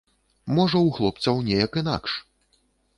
Можа ў хлопцаў неяк інакш.